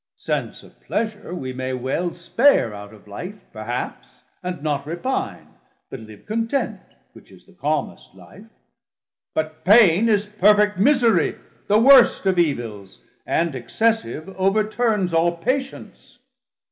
Sense of pleasure we may well Spare out of life perhaps, and not repine, 460 But live content, which is the calmest life: But pain is perfet miserie, the worst Of evils, and excessive, overturnes All patience.